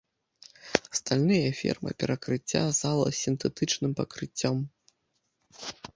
Стальныя фермы перакрыцця залы з сінтэтычным пакрыццём.